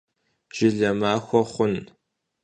Jjıle maxue xhun!